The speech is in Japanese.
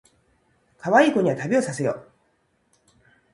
かわいい子には旅をさせよ